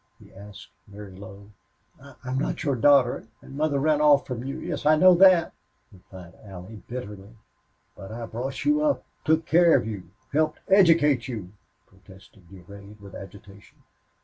he asked, very low. "I'm not your daughter and mother ran off from you. Yes, I know that," replied Allie, bitterly. "But I brought you up took care of you helped educate you," protested Durade, with agitation.